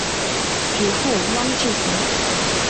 祖父汪志贤。